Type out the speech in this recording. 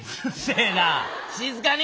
静かに！